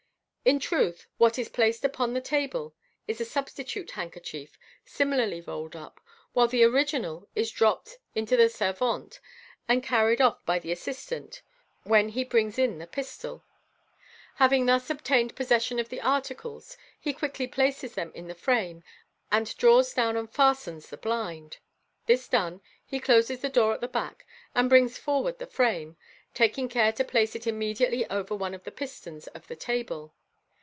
In truth, what *s placed upon the table is a substitute handkerchief, similarly rolled up, while the original is dropped on the servante, and carried off by the assistant when lie brings in the pistol. Having thus obtained possession of the articles, he quickly places them in the frame, and draws down and fastens the blind. This done, he closes the door at the back, and brings forward the frame, taking care to place it immediately over one of the pistons of the table.